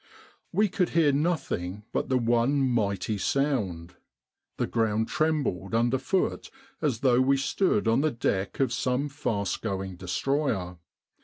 We could hear nothing but the one mighty sound. The ground trembled underfoot as though we stood on the deck of some fast going destroyer.